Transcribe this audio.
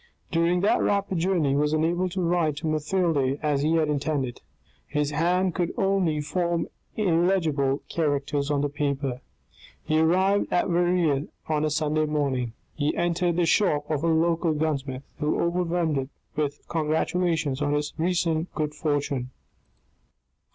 During that rapid journey he was unable to write to Mathilde as he had intended. His hand could only form illegible characters on the paper. He arrived at Verrieres on a Sunday morning. He entered the shop of the local gunsmith, who overwhelmed him with congratulations on his recent good fortune.